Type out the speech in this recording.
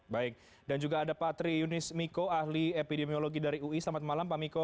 baik dan juga ada pak tri yunis miko ahli epidemiologi dari ui selamat malam pak miko